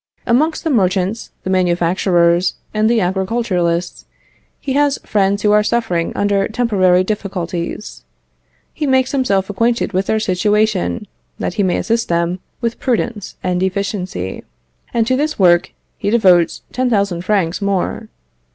Amongst the merchants, the manufacturers, and the agriculturists, he has friends who are suffering under temporary difficulties; he makes himself acquainted with their situation, that he may assist them with prudence and efficiency, and to this work he devotes 10,000 francs more.